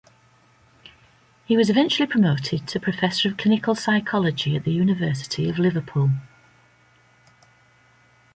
He was eventually promoted to Professor of Clinical Psychology at the University of Liverpool.